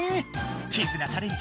絆チャレンジ